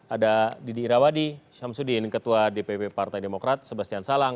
ada didi irawadi syamsuddin ketua dpp partai demokrat sebastian salang